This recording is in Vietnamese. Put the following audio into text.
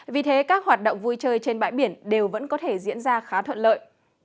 vì thế các hoạt động vui chơi trên bãi biển đều vẫn có thể diễn ra khá thuận lợi